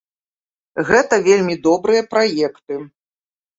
Гэта вельмі добрыя праекты.